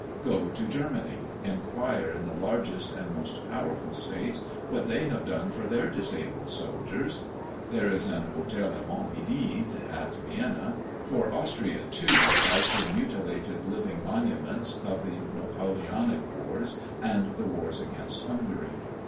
Go to Germany, enquire in the largest and most powerful states what they have done for their disabled soldiers. There is an Hotel of Invalides at Vienna; for Austria, too, has her mutilated living monuments of the Napoleonic wars and the wars against Hungary.